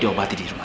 kita akan berpulang